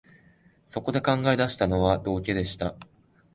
そこで考え出したのは、道化でした